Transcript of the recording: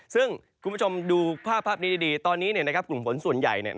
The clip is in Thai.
ซึ่งคุณผู้ชมดูภาพนี้ดีตอนนี้กลุ่มฝนส่วนใหญ่